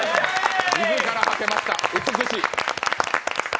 自らはけました、美しい。